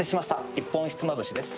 「一本ひつまぶし」です。